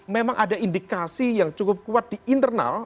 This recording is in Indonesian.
memang ada indikasi yang cukup kuat di internal